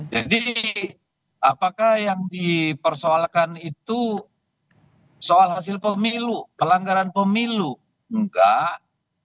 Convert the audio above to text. jadi apakah yang dipersoalkan itu soal hasil pemilu pelanggaran pemilu enggak